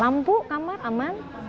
lampu kamar aman